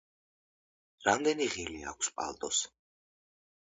რამდენი ღილი აქვს პალტოს?